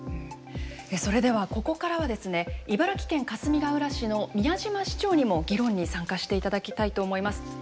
それではここからはですね茨城県かすみがうら市の宮嶋市長にも議論に参加していただきたいと思います。